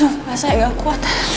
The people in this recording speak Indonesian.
masa yang gak kuat